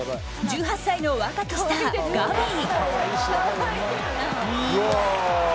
１８歳の若きスター、ガヴィ。